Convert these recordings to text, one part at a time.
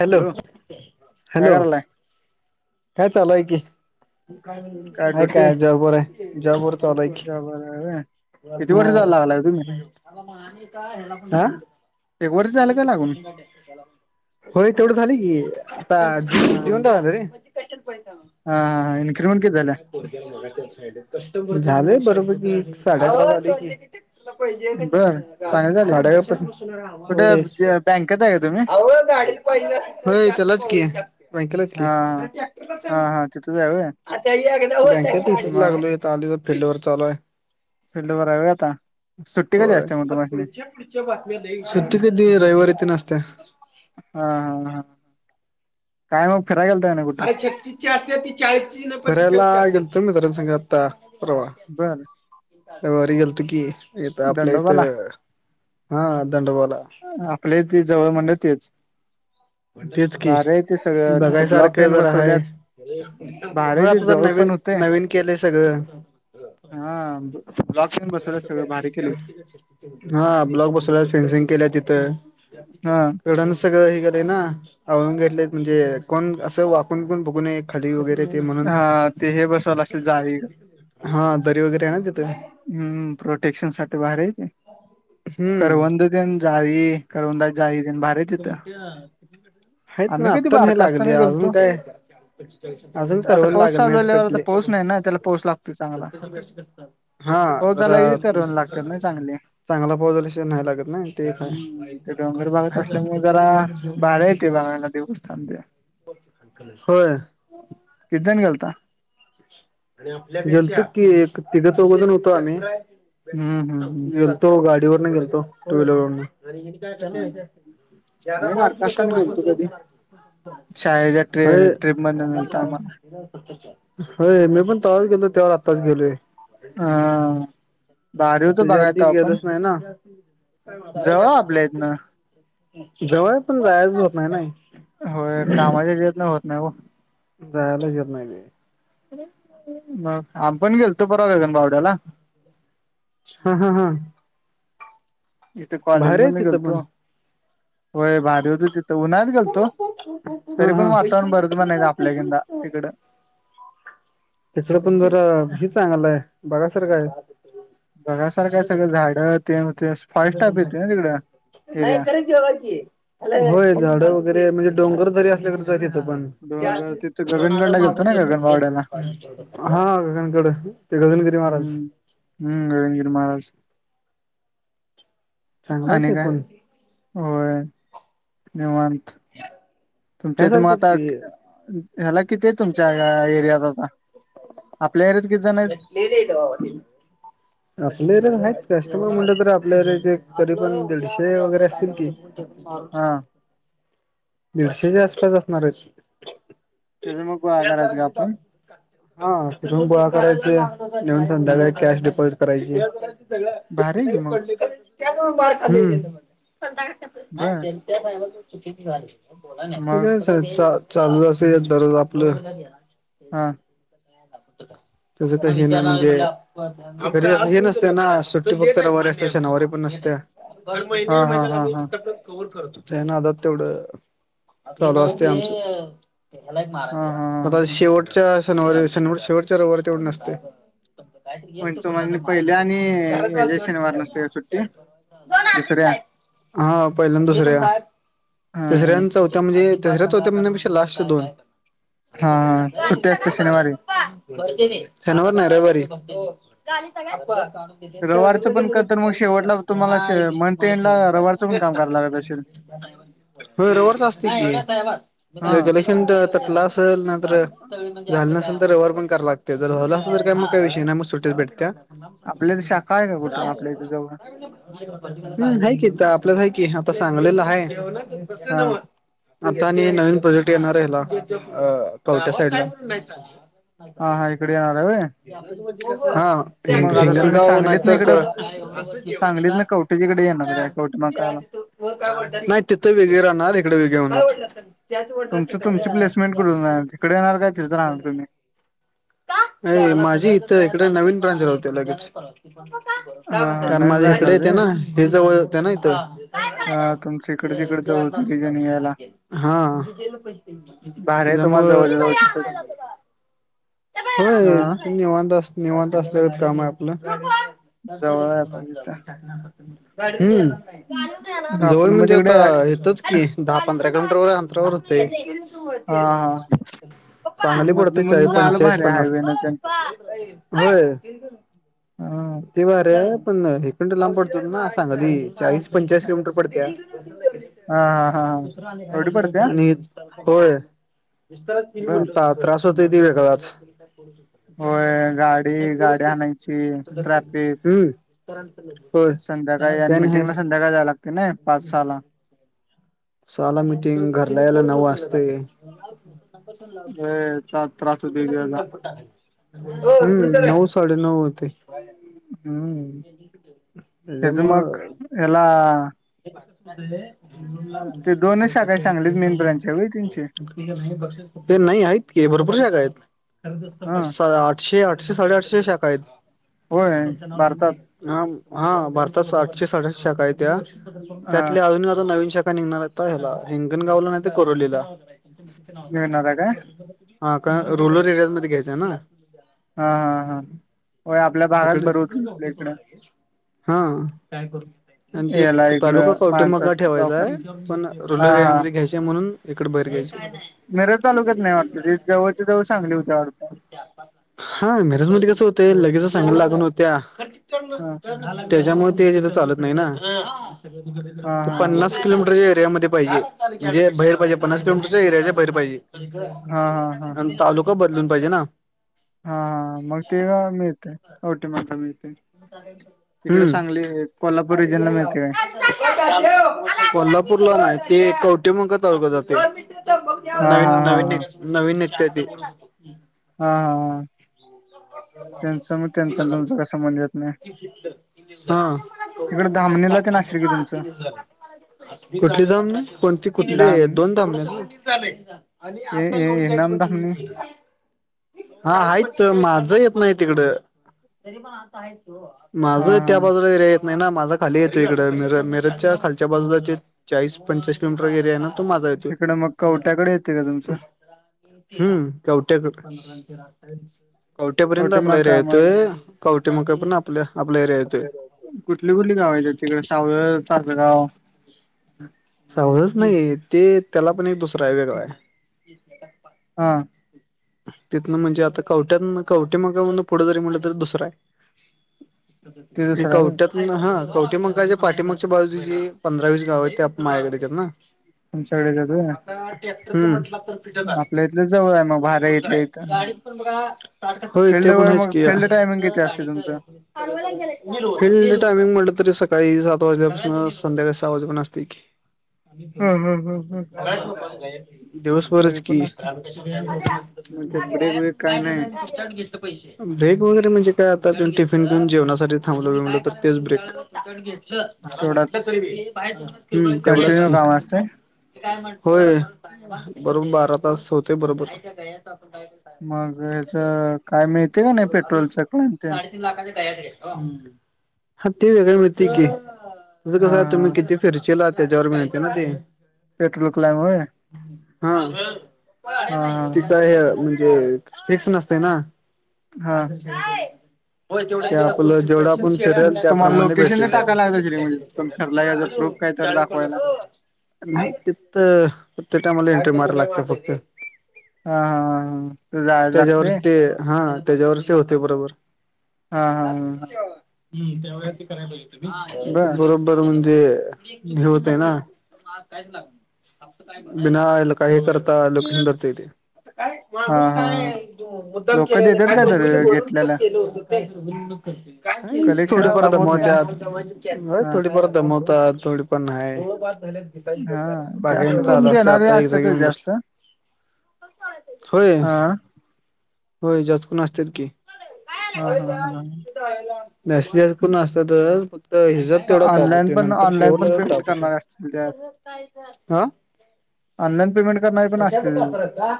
Hello काय hello. करायलाय काय चालू हाय की. आहे काय? जॉब वर आहे, जॉबवरच आलोय की. झोपलाय होय. हो, आ? एक वर्ष झालं अनेक का दिस लागून महि त्याला. होय तेवढं झाली की, आता ज हा जीवत झाल रे. [unintelligible] हा हा इन्क्रीमेंट किती झाल्या झालय बरं पैकी, साडेअकरा झाले की. बर चांगले झाले [unintelligible] कुठे होय. बँकेत आहे का तुम्ही होय त्यालाच की, बँकेलाच हा की. बँकेत हा हा तिथंच आहे होय हितच मग लागलोय. आलोय फील्डवर चालूय. फिल्डवर हाय होय आता, सुट्टी कधी होय असत्या मग तुमासनी? सुट्टी कधी रविवारी तेन असत्या. हा हा हा. काय मग फिराय गेल फिरायला गेलतो मित्रासंग आता‌ परवा. बर. वारी गेलतो की इथं आपल्या दंडोबाला इथं हा दंडबोला. [unintelligible] ती जवळ म्हणलं तेच तेच की भारी आहे ते सगळं तिथं ब्लॉक बघायसारखं तेन जरा हाय. बसवल्यात भारी होय आहे ते आता जरा जवळ पण नवीन होतंय नवीन केलंय सगळं. हा ब्लॉक तेन बसवल्यात सगळ भारी की. हा ब्लॉक बसला फेनसिंग केल्या तिथ. हा सगळं हे ना आळून घेतले म्हणजे कोण असं वाकून कोण बघून खाली वगैरे. म्हणून हा ते हे बसवलं असेल जाळी हा दरी वगैरे आहे ना तिथे. हम्म. प्रोटेक्शन साठी भारी आहे की हम्म करवंद. तेन जाळी करवंदाच्या जाळी तेन भारी हाईत. हाईत ना कधी आत्ता नाही बारका लागली. असताना गेलतो. अजून काय अजूनच आता करवंद पाऊस लागल चालू नाही झाल्यावर आता त्यातले. पाऊस नाही ना त्याला पाऊस लागतोय चांगला. हा पाऊस जरा झाला की करवंद लागतात ना चांगले. चांगला पाऊस झाल्याशिवाय नाही लागत ना ते एक आहे. हम्म ते डोंगर भागात असल्यामुळे जरा भारी आहे ते बघायला देवस्थान ते. होय. किती जण गेलता? गेलत की एक तिघ चौघ जण होतो आम्ही. हम्म हम्म हम्म तो गाडीवरन गेलतो टू व्हीलर वर्ण हम्म. आम्ही बारका असताना गेलतो कधी शाळेच्या ट्रि [inaudible] व्हय. ट्रिप मधन नेलतं होय मी पण तवाच गेलो त्यावर आत्ताच गेलोय. आम्हाला. अ भारी होतं त्याच्या बघाय आधी तवा पण गेलच नाही ना. जवळ आपल्या इथनं. जवळ पण जायचं होत नाही नाय. होय कामाच्या ह्याच्यातन होत नाही ओ. जायला येत नाही हे‌. मग आपण गेलतो परवा गगनबावड्याला. हा हा हा. इथे कॉलेज भारी आहे माधना तिथं पण गेलतो वय भारी होतो तिथं उन्ह गेलतो तरी हा पण हा वातावरण बरच म्हणायचं आपल्याकेंदा तिकड. तिकड पण जरा हि चांगलं आहे बघासारखं आहे. बघसारखं सगळं झाडं ते ते फॉई सटाप येते ना तिकडं एरिया. होय झाड वगैरे म्हणजे डोंगर दरी असल्यागतच हाय तिथं पण. डोंगर तिथं दोनजार गगनगडला गेलतो मागून ना घेतो गगनबावड्याला हा गगनकड. हम्म हम्म निरंजन महाराज. चांगला आहे आणि ते काय पण होय निवांत. तुमच्या इथं म ह्यासारखेच आता की ह्याला किती आहे तुमच्या एरियात आता आपल्या एरियात किती जण आहेत. [inaudible] [inaudible] आपल्या एरियात आहेत कस्टमर म्हणलं तर आपल्या एरियात एक तरी पण दीडशे वगैरे असतील की. [inaudible] हा दीडशेच्या आसपास असणारेत. त्याच मग गोळा करायचं का आपण हा तिथून गोळा करायच, नवीन हम्म. संध्याकाळी कॅश डिपॉजिट करायची. भारी आहे की मग हम्म. बर काय मग चालू अस दररोज आपलं. हां. तुझं ते हे म्हणजे री हे नसते ना सुट्टी फक्त रवारी असल्या शनिवारी पण नसत्या. हर हा महिने हा महिन्याला हा आम्ही हा फक्त त्या नादात तेवढं चालू असते आमचं. हा हा आ हा शेवटच्या शनिवारी शनिवारी शेवटच्या रविवारी तेवढं नसते. [inaudible] पंच म्हणजे पहिल्या आणि ह्याच्या शनिवार नसते का सुट्टी दुसऱ्या हा पहिल्यांद दुसऱ्या हा तिसऱ्या चौथ त्या म्हणजे तर्याच चौथ्या म्हणजे कशा लास्ट च्या दोन. हा सुट्टी असते शनिवारी शनिवार नाही रविवारी. रविवारचं पण का तर मग शेवटला तुम्हाला मंथ एंडला रविवारचं पण काम करायला लागत असेल [unintelligible] हो रविवारची असते हा की, फंड तटला असलं, नाही तर झालं नसलं. रविवारी पण करा लागते जर झालं असल तर काय मग काही विषय नाही मग सुट्टीच भेटत्या. आपल्या शाखा आहे का कुठं आपल्याथ जवळ. हम आहे कि आपल्या आहे कि आता सांगलीला आहे. हा आता आणि नवीन प्रोजेक्ट येणार आहे ह्याला कवठे साईडला. हा हा.. इकडे येणार आहेे होय. हा. मग आता हिंगन तुम्ही गाव नाही सांगलीत ना तर, इकडं सांगलीत ना कवटेच्या इकडे येणार काय कवटे महांकाळला नाही तिथं वेगळे राहणार, हिकडं वेगळी होणार. तुमचं तुमची प्लेसमेंट कुट होणार, तिकडे येणार का तिथं राहणार तुम्ही. कां. अ माझी इथं, इकड नवीन ब्रांच राहते लगेच. हा हा कारण नवीन माझे राहिला इकडे येत ना हि जवळ होते ना इथं हा तुमच इकडच इकडे जवळ [unintelligible] यायला. हा. भारी आहे तुम्हाला, त्यामुळं जवळच्या जवळ तिथंच. हा हो निवांत स निवांत, असल्यागत काम आहे आपलं. जवळ आहे पण तिथं हम. जवळ आपण मग म्हणजे तिकडे आता हा हितच, कि दहा पंधरा किलोमीटर व अंतरावर होतंय. हा तू सांगली मधन पडते मधन चाळीस, जायला पंचाळीस भारी आहे पन्नास. हायवे न तेन होय. हा ते भारी पण हिकडं न लांब पडतो ना, सांगली चाळीस. पंचेचाळीस किलोमीटर पडत्या. हा हा हा हा. एवढी पडत्या आणि होय बर त्रास होतय ते वेगळाच. होय गाडी गाडी आणायची ट्रॅफिक हम्म. होय. संध्याकाळी त्याने हे मिटिंगला संध्याकाळी जायला लागतय ना पाच सहाला. सहाला मिटिंग, घरला यायला नऊ वाजतय. लय चा [unintelligible] त्रास होतोय त्याचा टाकाल. हम्म. नऊ साडेनऊ होते. हम्. हेच मग हेला. हे पाच का दिले. ते दोनच शाखा सांगलीत मेन ब्रांच हाय होय. नाही आहेत की, भरपूर शाखा आहेत सात आठ. हा शे आठशे, आठशे, साडेआठशे शाखा आहेत. होय भारतात हा हा भारतात आठशे साठष्ट शाखा आहेत. त्या हा त्यातल्या अजूनही अजून नवीन शाखा निघणार आहेत. हिंगणगावला नाही तर कोरलीला. मिळणार आहे काय हा का, रुरल एरियाज मध्ये घ्यायचं आहे ना. हा हा हा. होय आपल्या भागात इकडे बरं होत इथल्या इकडं. हा आणि ते याला तालुका इकडं माणसा कवठेमहांकाळ ठेवायचा लोकात आहे पण हा रूलर एरिया हा मध्ये घ्यायचे म्हणून इकडे बाहेर घ्यायचे. मिरज तालुक्यात नाही वाटत जवळच्या जवळ सांगली होत्या वाटत. हा मिरज मध्ये कस होते लगेचच सांगली लागून होत्या. हा त्याच्यामुळे ते तिथं चालत नाही ना, हा ते हा पन्नास किलोमीटरच्या एरियाध्ये पाहिेजे, म्हणजे भैर पाहिजे. पन्नास किलोमीरच्या एरियाच्या बाहेर पाहिजे. हा हा हा हा आणि तालुका बदलून पाहिजे ना? हा हा, मग ते गाव मिळते, [unintelligible] मिळते. इकडं हम्म सांगली कोल्हापूर रिजन ला मिळतंय काय. कोल्हापूरला नाही ते कवठेमहांकाळ तालुक्यात जाते. हा हा नवीन हा नवीन नवीन निगत्या ती. हा हा त्यांच मग त्यांच तुमचं संबंध येत नाही इकडे [unintelligible] धामणीला ते अठराशे नाशिल की तुमचं तीन [unintelligible] कुठली जाम ने कोणती कुठलीय धाम दोन थांबल्यात. आणि ए आता एवढं ए द्यायचं नाम म्हणजं धामणी मी [unintelligible] हा आहेच माझ येत नाही तिकडं हा माझं त्या हा बाजूला येरया नाही ना माझा खाली येतोय इकडं मीर मिरच्या खालच्या बाजूलाचे चाळीस पंचेचाळीस किलोमीटर एरिया आहे ना तु माजा येतो. तिकडं मग कवट्याकडे येते का तुमचं हम्म कवट्या. [unintelligible] कवट्यापर्यंत कवटे आपला एरिया मकामड येतोय कवट्या म का आप ना आपल्या आपल्या एरिया येतोय. कुठली कुठली गाव आहेत तिकडे सावळ तासगाव साहवच नाही आहे ते त्याला पण एक दुसरा आहे वेगळा आहे. हां. तिथनं म्हणजे आता कवठ्यात कवटे मग म्हण पुढे जरी म्हटलं तरी दुसरा आहे. ते दुसरं आहे कवट्या हा कवटीमकाच्या पाठीमागच्या बाजु जे पंधरावीस गाव आहे ते मा ह्यकडे येतातना. [unintelligible] हम. आपल्या इथलं जवळ आहे मग भारी इथल्या इथं. होय फिल्ड ते पण वर हेच मग की. फिल्ड टायमिंग किती असते तुमचं फिल्ड टायमिंग म्हटलं तरी सकाळी सात वाजल्यापासून संध्याकाळी सहा वाजे पण असते की. [inaudible] हम हम हम हम दिवसभरच तरी की. पण असते. मग त्यात ब्रेक ब्रेक काय नाही ब्रेक वगैरे म्हणजे काय आता. [unintelligible] जेवणासाठी थांबलेले म्हणलं तर तेच ब्रेक. तेवढाच हं तेवढंच कंटिन्यू की. काम असते होय बरोबर बारा तास होते बरोबर. मग याचं काय माहिती काय मिळते का नाही पेट्रोल च कलांट ते वेगळ मिळ की तिचं कस हा आहे तुम्ही हा किती फीरचीला त्याच्यावर मिळते ना ते. पेट्रोल क्लाइम होय हा हा तिचा हे. फिक्स नसते न हा हा ते आपलं जेवढा आपण फिरेल तुम्हाला त्याप्रमाणे लोकेशन भेटेल टाकायला लागत असेल की म्हणजे तुम्ही ठरलाय याचा प्रूफ काय तर चाळीस पण दाखवायला. [unintelligible] [inaudible] [unintelligible] एन्ट्री मारायला लागत फक्त हा हा हा तर जायला त्याज्या वर लागतंय ते हा त्याज्यावरचे होते बरोबर. हा हा हा ते बर बरो तर म्हणजे हे होतेय ना. बिना आईला काहि करता लोकेशन धरता येते. आता काय हा माणूस हा काय हा मुद्दाम लोक केलेलं देतात काय तर बुल बोलून तर घेतल्याला केलं होत. [unintelligible] बिनु कर [unintelligible] कलेक्शनला थोडीफार ताप होत दमव नाही ना. त्यात हा थोडीफार दमवतात थोडीफार नाही. हा बाकी जास्त करून चालू देणारे आता एक असते जागी तर येऊन बसलो जास्त. होय. हा होय जास्त करून असतात की. [inaudible] हा. नसेज कोण असतात फक्त हिजत तेवढा ताप ऑनलाईन होते पण नंतर ऑनलाईन पण शेवटला पेमेंट ताप होतो करणार असतील त्यात. हा. ऑनलाईन पेमेंट करणारे पण कशाच असतील कासरत का.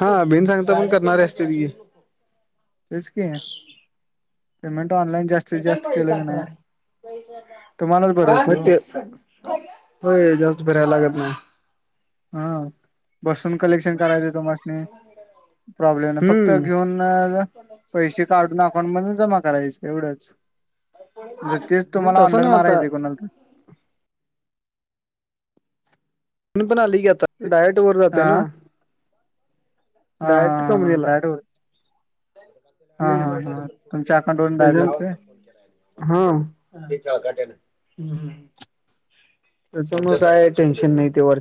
हा बीन सांगता पण करणारे असतात की तेच की पेमेंट ऑनलाईन ज्यास् [unintelligible] तुम्हालाच बरं होतंय ओ होय जास्त फिरायला लागत नाही. हा बसून कलेक्शन कराय देतो तुम्हासनी प्रॉब्लेम नाही फक्त हम्म घेऊन पैसे काढून अकाउंट मधून जमा करायच एवढंच. ज तेच नाही तुम्हाला तसं ऑनलाईन नाही आता मारायच कोणाला तर. मी पण आलोय की आता, ते डायरेक्ट वर जातंय हा ना. हा हा हा डायरेक्ट डायरेक्ट कमानीला. हा हा हा हम्म. तुमच्या अकाउंट वरून डायरेक्ट [unintelligible] जातोय हा हम्म हम्म. त्याचमुळे काय टेन्शन नाही ते वर